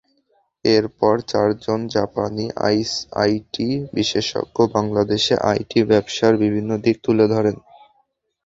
এরপর চারজন জাপানি আইটি বিশেষজ্ঞ বাংলাদেশে আইটি ব্যবসার বিভিন্ন দিক তুলে ধরেন।